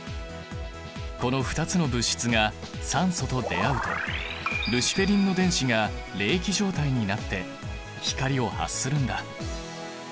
この２つの物質が酸素と出会うとルシフェリンの電子が励起状態になって光を発するんだ。